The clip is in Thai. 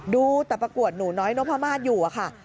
ดูแต่ประกวดหนูน้อยน้องพระมาทอยู่ค่ะ